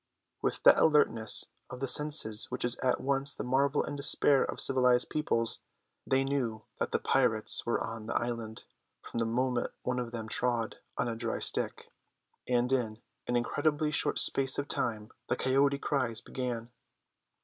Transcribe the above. With that alertness of the senses which is at once the marvel and despair of civilised peoples, they knew that the pirates were on the island from the moment one of them trod on a dry stick; and in an incredibly short space of time the coyote cries began.